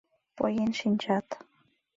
— Поен шинчат!